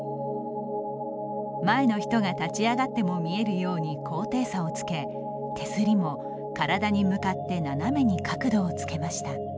前の人が立ち上がっても見えるように高低差をつけ手すりも体に向かって斜めに角度をつけました。